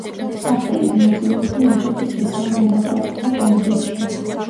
სახელით, მონაწილეობდა ევროპის სოციალ–დემოკრატთა კონგრესში.